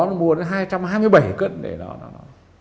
nó mua đến hai trăm hai mươi bảy cân